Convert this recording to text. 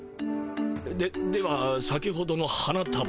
ででは先ほどの花たばは？